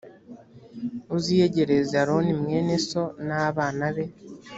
uziyegereze aroni mwene so n abana be